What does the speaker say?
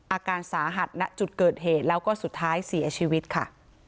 อาการสาหัสณจุดเกิดเหตุแล้วก็สุดท้ายเสียชีวิตค่ะ